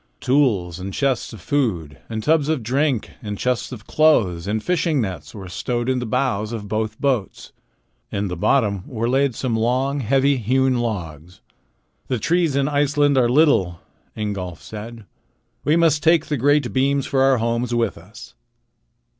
Tools, and chests of food, and tubs of drink, and chests of clothes, and fishing nets were stowed in the bows of both boats. In the bottom were laid some long, heavy, hewn logs. "The trees in Iceland are little," Ingolf said. "We must take the great beams for our homes with us."